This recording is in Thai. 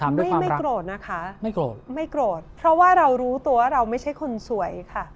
ไม่ไม่โกรธนะคะไม่โกรธไม่โกรธเพราะว่าเรารู้ตัวว่าเราไม่ใช่คนสวยค่ะ